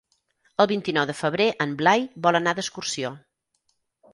El vint-i-nou de febrer en Blai vol anar d'excursió.